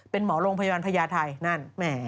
เป็นหมอโรงพยาบาลพญาไทยนั่นแหม